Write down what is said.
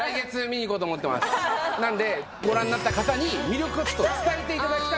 なのでご覧になった方に魅力を伝えていただきたいなと。